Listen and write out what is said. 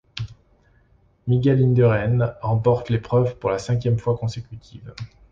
Miguel Indurain remporte l'épreuve pour la cinquième fois consécutive.